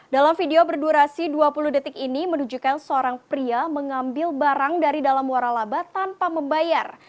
dalam video berdurasi dua puluh detik ini menunjukkan seorang pria mengambil barang dari dalam waralaba tanpa membayar